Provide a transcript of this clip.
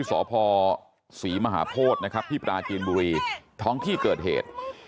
สพศรีมหาโพธินะครับที่ปราจีนบุรีท้องที่เกิดเหตุ